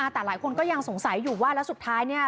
แต่หลายคนก็ยังสงสัยอยู่ว่าแล้วสุดท้ายเนี่ย